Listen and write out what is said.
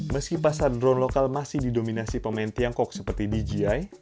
meski pasar drone lokal masih didominasi pemain tiongkok seperti dji